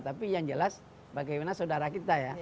tapi yang jelas bagaimana saudara kita ya